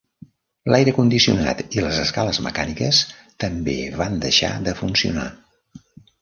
L'aire condicionat i les escales mecàniques també van deixar de funcionar.